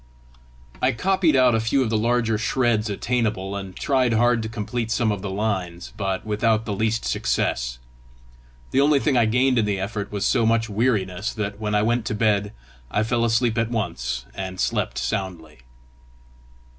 I copied out a few of the larger shreds attainable, and tried hard to complete some of the lines, but without the least success. The only thing I gained in the effort was so much weariness that, when I went to bed, I fell asleep at once and slept soundly.